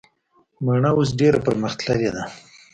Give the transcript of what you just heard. مڼه اوس ډیره پرمختللي ده